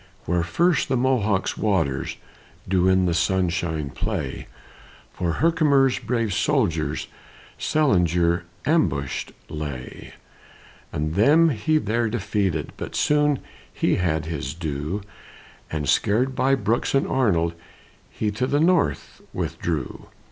Where first the Mohawk's waters Do in the sunshine play, For Herkimer's brave soldiers Sellinger ambushed lay; And them he there defeated, But soon he had his due, And scared by Brooks and Arnold, He to the north withdrew.